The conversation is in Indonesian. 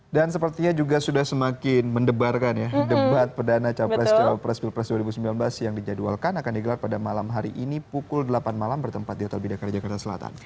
dan sepertinya juga sudah semakin mendebarkan ya debat perdana cawapres cawapres pilpres dua ribu sembilan belas yang dijadwalkan akan digelar pada malam hari ini pukul delapan malam bertempat di hotel bidakar jakarta selatan